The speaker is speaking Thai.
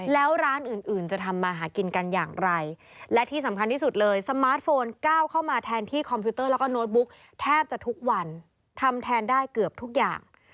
แล้วร้านอื่นอื่นจะทำมาหากินกันอย่างไรและที่สำคัญที่สุดเลยสมาร์ทโฟนก้าวเข้ามาแทนที่คอมพิวเตอร์แล้วก็โน้ตบุ๊กแทบจะทุกวันทำแทนได้เกือบทุกอย่าง